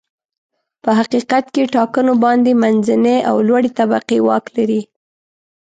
په حقیقت کې ټاکنو باندې منځنۍ او لوړې طبقې واک لري.